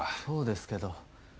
そうですけど。